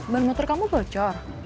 ban motor kamu bocor